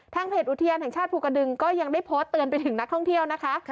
เพจอุทยานแห่งชาติภูกระดึงก็ยังได้โพสต์เตือนไปถึงนักท่องเที่ยวนะคะ